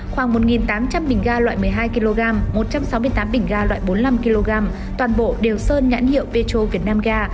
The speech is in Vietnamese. khoảng một tám trăm linh bình ga loại một mươi hai kg một trăm sáu mươi tám bình ga loại bốn mươi năm kg toàn bộ đều sơn nhãn hiệu petro việt nam ga